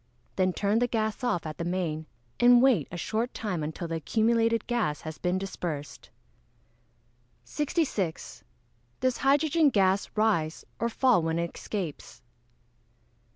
Then turn the gas off at the main, and wait a short time until the accumulated gas has been dispersed. 66. _Does hydrogen gas rise or fall when it escapes?